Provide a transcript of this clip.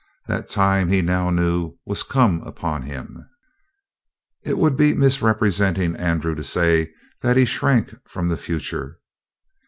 That time, he now knew, was come upon him. It would be misrepresenting Andrew to say that he shrank from the future.